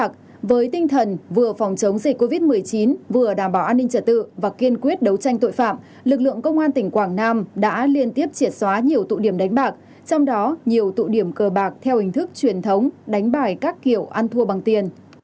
trong trường trống dịch covid một mươi chín vừa đảm bảo an ninh trả tự và kiên quyết đấu tranh tội phạm lực lượng công an tỉnh quảng nam đã liên tiếp triệt xóa nhiều tụ điểm đánh bạc trong đó nhiều tụ điểm cờ bạc theo hình thức truyền thống đánh bài các kiểu ăn thua bằng tiền